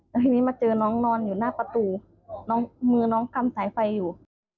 แล้วทีนี้มาเจอน้องนอนอยู่หน้าประตูน้องมือน้องกำสายไฟอยู่